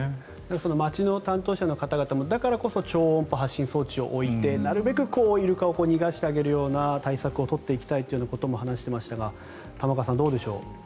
街の担当者の方々もだからこそ超音波発信装置を置いてなるべくイルカを逃がしてあげるような対策を取っていきたいということも話していましたが玉川さん、どうでしょう。